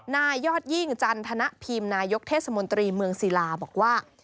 นายยอดยิ่งจันทนพิมนายกเทศมนตรีเมืองศิลาบอกว่า